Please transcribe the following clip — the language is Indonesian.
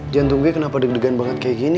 jantung gue kenapa deg degan banget kayak gini